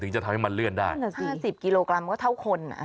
ถึงจะทำให้มันเลื่อนได้ห้าสิบกิโลกรัมก็เท่าคนอ่ะ